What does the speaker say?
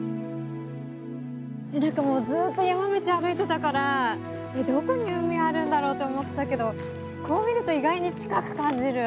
何かもうずっと山道歩いてたからどこに海あるんだろうと思ってたけどこう見ると意外に近く感じる。